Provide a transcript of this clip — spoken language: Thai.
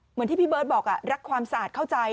เหมือนที่พี่เบิร์ตบอกรักความสะอาดเข้าใจ